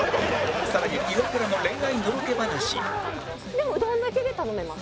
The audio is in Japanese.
更にイワクラの恋愛のろけ話でもうどんだけで頼めます。